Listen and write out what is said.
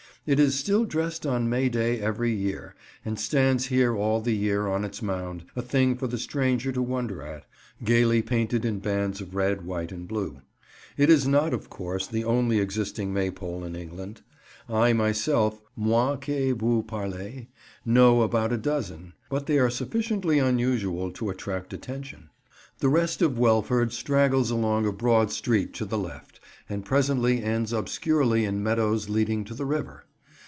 It is still dressed on May Day every year, and stands here all the year on its mound, a thing for the stranger to wonder at, gaily painted in bands of red, white and blue. It is not, of course, the only existing maypole in England. I myself, moi que vous parle, know about a dozen; but they are sufficiently unusual to attract attention. The rest of Welford straggles along a broad street to the left, and presently ends obscurely in meadows leading to the river.